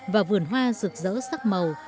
và vườn hoa rực rỡ sắc màu